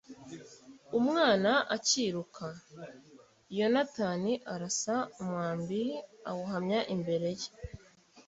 Umwana acyiruka, Yonatani arasa umwambi awuhamya imbere ye.